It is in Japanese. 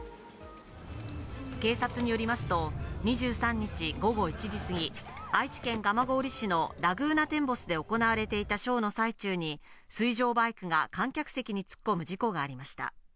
警察によりますと、２３日午後１時過ぎ、愛知県蒲郡市のラグーナテンボスで行われていたショーの最中に、水上バイクが観客席に突っ込む事故がありました。